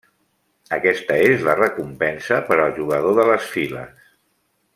Aquesta és la recompensa per al jugador de les files.